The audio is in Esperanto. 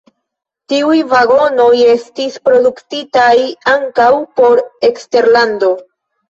Tiuj vagonoj estis produktitaj ankaŭ por eksterlando.